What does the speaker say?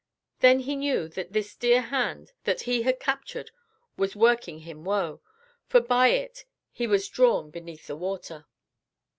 Then he knew that this dear hand that he had captured was working him woe, for by it he was drawn beneath the water.